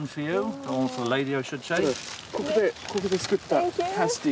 ここで作ったパスティ。